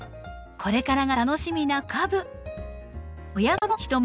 これからが楽しみな子株。